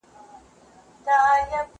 هغه وويل چي انځورونه مهم دي!؟